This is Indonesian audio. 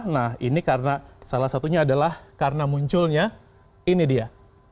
nah ini karena salah satunya adalah karena munculnya ini dia